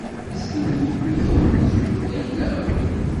Ɛzel-iyi-d mmi-k amenzu, d ayla-w.